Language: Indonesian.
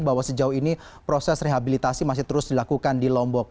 bahwa sejauh ini proses rehabilitasi masih terus dilakukan di lombok